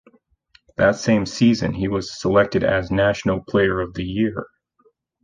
That same season he was selected as National Player of the Year.